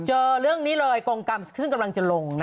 เจอเรื่องนี้เลยกรงกรรมซึ่งกำลังจะลง